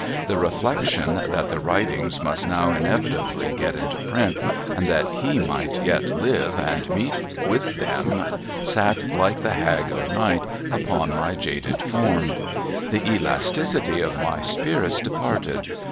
The reflection that the writings must now inevitably get into print, and that He might yet live and meet with them, sat like the Hag of Night upon my jaded form. The elasticity of my spirits departed.